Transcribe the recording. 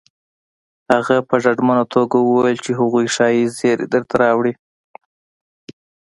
هغه په ډاډمنه توګه وويل چې هغوی ښايي زيری درته ولري